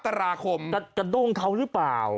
กระดูงเขาหรือเปล่า